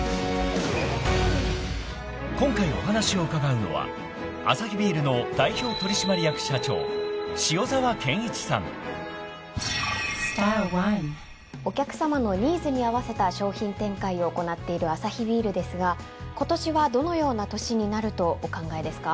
［今回お話を伺うのは］お客さまのニーズに合わせた商品展開を行っているアサヒビールですがことしはどのような年になるとお考えですか？